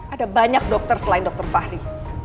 ada banyak dokter selain dr fahri